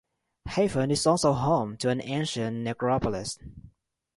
Hafun is also home to an ancient necropolis.